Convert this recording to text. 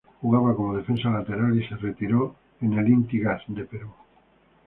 Jugaba como defensa lateral y se retiró en el Inti Gas de Perú.